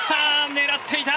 狙っていた。